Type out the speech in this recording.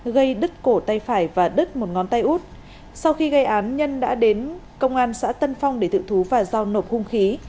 gây đứt cổ tay phải và đứt một ngón tay út sau khi gây án nhân đã đến công an xã tân phong để tự thú và giao nộp hung khí